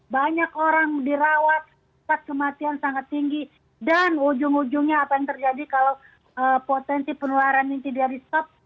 banyak orang dirawat kematian sangat tinggi dan ujung ujungnya apa yang terjadi kalau potensi penularan ini tidak di stop